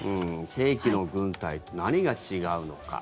正規の軍隊と何が違うのか。